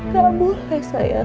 gak boleh sayang